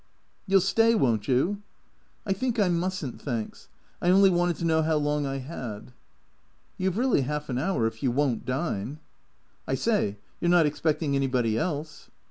You '11 stay, won't you ?"" I think I must n't, thanks. I only wanted to know how long I had." " You 've really half an hour, if you won't dine." " I say, you're not expecting anybody else